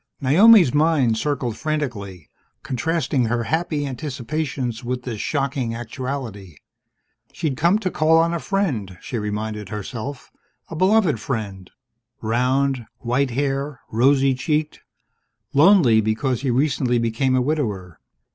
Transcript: Naomi's mind circled frantically, contrasting her happy anticipations with this shocking actuality. She'd come to call on a friend, she reminded herself, a beloved friend round, white haired, rosy cheeked; lonely because he'd recently become a widower.